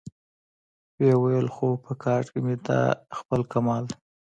ويې ويل: خو په ګارد کې مې دا خپل کمال و.